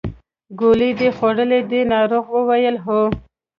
ګولۍ دې خوړلې دي ناروغ وویل هو.